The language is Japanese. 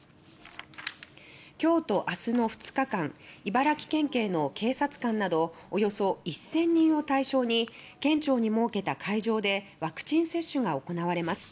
きょうとあすの２日間茨城県警の警察官などおよそ１０００人を対象に県庁に設けた会場でワクチン接種が行われます。